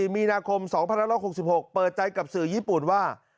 มีนาคม๒๑๖๖เปิดใจกับสื่อญี่ปุ่นว่า